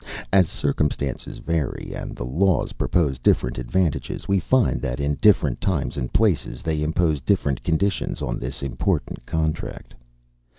As circumstances vary, and the laws propose different advantages, we find, that in different times and places, they impose different conditions on this important contract.